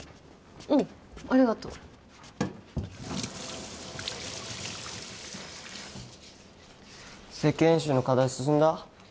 うんありがとう設計演習の課題進んだ？